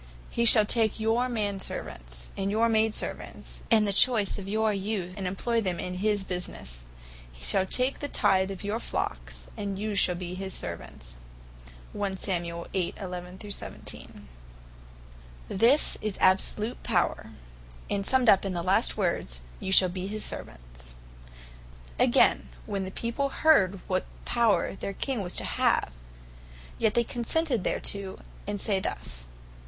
He shall take your man servants, and your maid servants, and the choice of your youth, and employ them in his businesse. He shall take the tyth of your flocks; and you shall be his servants." This is absolute power, and summed up in the last words, "you shall be his servants." Againe, when the people heard what power their King was to have, yet they consented thereto, and say thus, (Verse.